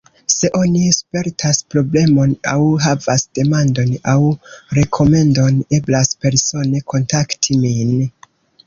Se oni spertas problemon aŭ havas demandon aŭ rekomendon, eblas persone kontakti min.